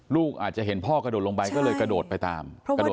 ลูกอาจจะเห็นพ่อกระโดดลงไปก็เลยกระโดดไปตามกระโดด